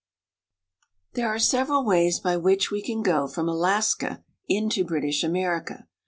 THERE are several ways by which we can go from Alaska into British America.